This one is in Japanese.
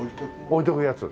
置いておくやつ。